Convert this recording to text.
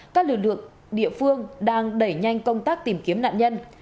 các lực lượng địa phương đang đẩy nhanh công tác tìm kiếm nạn nhân